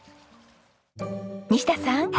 西田さん。